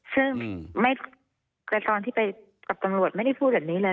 ซึ่งกระชอนที่ไปกับตำรวจไม่ได้พูดแบบนี้เลย